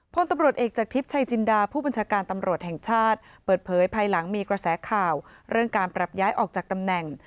พลตำรวจเอกจากทิพย์ชัยจินดาผู้บัญชาการตำรวจแห่งชาติเปิดเผยภายหลังมีกระแสข่าวเรื่องการปรับย้ายออกจากตำแหน่ง